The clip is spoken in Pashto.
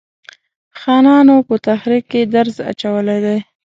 خانانو په تحریک کې درز اچولی دی.